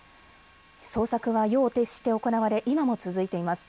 捜索は夜を徹して行われ今も続いています。